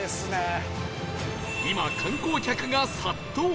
今観光客が殺到！